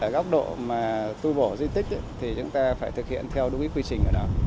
góc độ tu bổ di tích chúng ta phải thực hiện theo đúng quy trình